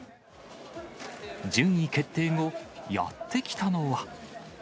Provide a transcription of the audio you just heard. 順位決定後、やって来たのは。